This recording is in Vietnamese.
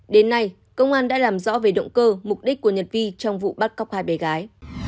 đến nay công an đã làm rõ về động cơ mục đích của nhật vi trong vụ bắt cóc hai bé gái